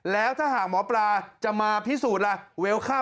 แล้วถ้าหาหมอปลาจะมาพิสูจน์วิวคัม